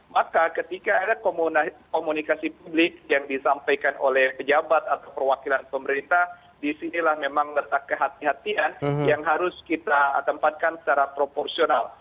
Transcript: maka ketika ada komunikasi publik yang disampaikan oleh pejabat atau perwakilan pemerintah disinilah memang letak kehatian kehatian yang harus kita tempatkan secara proporsional